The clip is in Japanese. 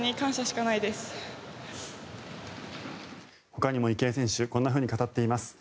ほかにも池江選手こんなふうに語っています。